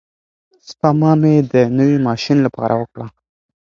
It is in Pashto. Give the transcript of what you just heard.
سپما مې د نوي ماشین لپاره وکړه.